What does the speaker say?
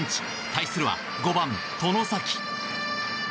対するは５番、外崎。